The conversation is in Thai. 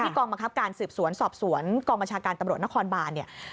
กองบังคับการสืบสวนสอบสวนกองบัญชาการตำรวจนครบานเนี่ย